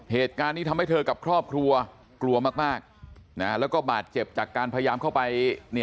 เหตุการณ์นี้ทำให้เธอกับครอบครัวกลัวมากแล้วก็บาดเจ็บจากการพยายามเข้าไป